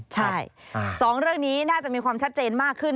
ใช่๒เรื่องนี้น่าจะมีความชัดเจนมากขึ้น